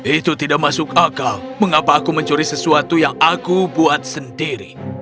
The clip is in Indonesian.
itu tidak masuk akal mengapa aku mencuri sesuatu yang aku buat sendiri